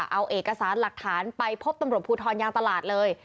เอาเอกสารหลักฐานไปพบตำรวจภูทรยางตลาดเลย